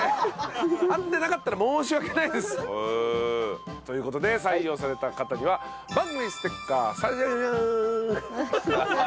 合ってなかったら申し訳ないです。という事で採用された方には番組ステッカー差し上げみゃ。